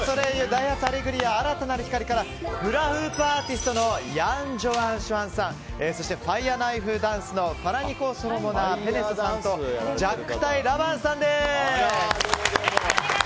「ダイハツアレグリア‐新たなる光‐」からフラフープアーティストのヤン・ジョアン・シュワンさんそしてファイヤーナイフ・ダンスのファラニコ・ソロモナ・ペネサさんとジャックタイ・ラバンさんです。